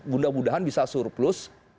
mudah mudahan bisa surplus